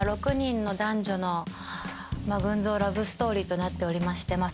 ６人の男女の群像ラブストーリーとなっておりまして。